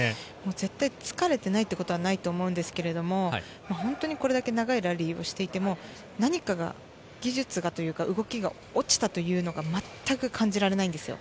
絶対、疲れてないことはないと思うんですけど、これだけ長いラリーをしていても、何か技術がというか動きが落ちたというのが全く感じられないんですよ。